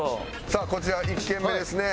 さあこちら１軒目ですね。